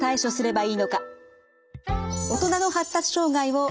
はい。